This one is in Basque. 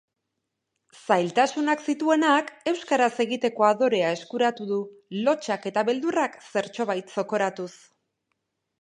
Zailtasunak zituenak euskaraz egiteko adorea eskuratu du, lotsak eta beldurrak zertxobait zokoratuz.